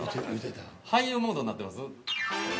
俳優モードになってます？